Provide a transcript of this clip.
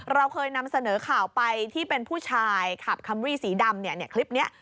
เราเคยนำเสนอข่าวไปที่เป็นผู้ชายขับคัมรี่สีดำเนี่ยคลิปนี้